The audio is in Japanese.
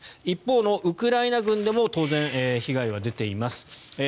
一方のウクライナ軍でも当然、被害は出ています。